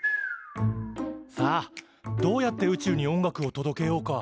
さあどうやって宇宙に音楽を届けようか？